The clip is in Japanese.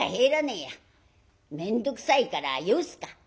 面倒くさいからよすか」。